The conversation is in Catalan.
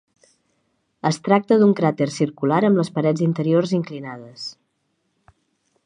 Es tracta d'un cràter circular amb les parets interiors inclinades.